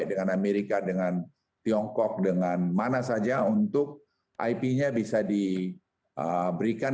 dengan amerika dengan tiongkok dengan mana saja untuk ip nya bisa diberikan